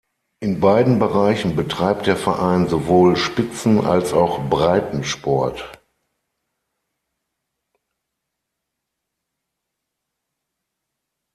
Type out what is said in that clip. In beiden Bereichen betreibt der Verein sowohl Spitzen- als auch Breitensport.